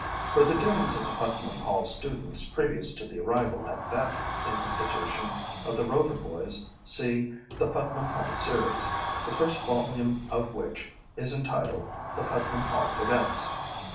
(For the doings of the Putnam Hall students previous to the arrival at that institution of the Rover boys see, "The Putnam Hall Series," the first volume of which is entitled, "The Putnam Hall Cadets."